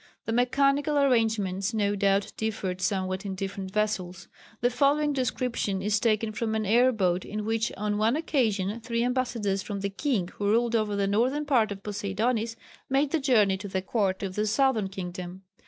The mechanical arrangements no doubt differed somewhat in different vessels. The following description is taken from an air boat in which on one occasion three ambassadors from the king who ruled over the northern part of Poseidonis made the journey to the court of the southern kingdom.